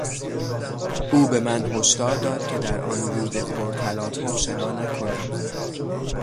او به من هشدار داد که در آن رود پر تلاطم شنا نکنم.